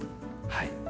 はい。